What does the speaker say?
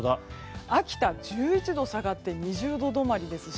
秋田１１度下がって２０度止まりですし